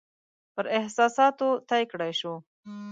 پر احساساتو طی کړای شول.